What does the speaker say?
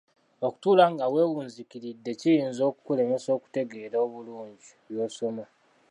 Okutuula nga weewunziikiridde kiyinza okukulemesa okutegeera obulungi by'osoma.